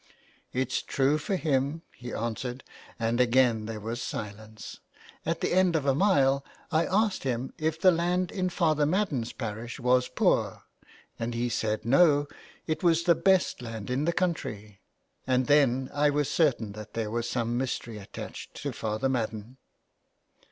*' It's true for him," he answered, and again there was silence. At the end of a mile I asked him if the land in Father Madden's parish was poor, and he said no, it was the best land in the country, and then I was certain that there was some mystery attached to Father Madden.